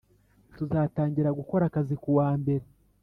Tuzatangira gukora akazi kuwa mbere